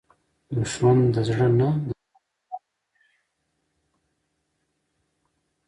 دښمن د زړه نه، د نفس نه راولاړیږي